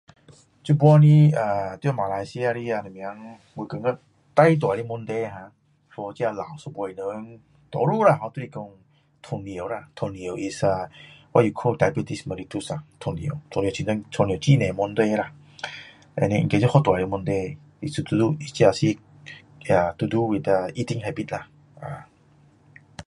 现在在马来西亚的什么那个最大的问题呀 for 这个老一辈的人多数啦就是说糖尿啦糖尿 what you called diabetes 糖尿很多问题呀 and then 应该是很大的问题 to do with the eating habit 啦